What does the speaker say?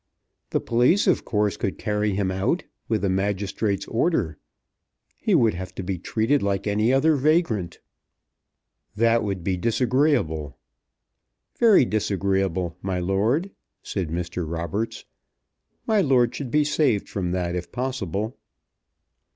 "The police, of course, could carry him out with a magistrate's order. He would have to be treated like any other vagrant." "That would be disagreeable." "Very disagreeable, my lord," said Mr. Roberts. "My lord should be saved from that if possible."